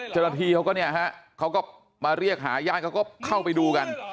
เจ้าหน้าที่เขาก็เนี่ยฮะเขาก็มาเรียกหาญาติเขาก็เข้าไปดูกัน